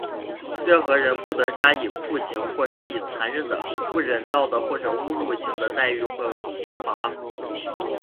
任何人不得加以酷刑,或施以残忍的、不人道的或侮辱性的待遇或刑罚。